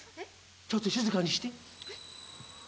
ちょっと静かにして。